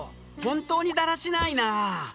本当にだらしないな。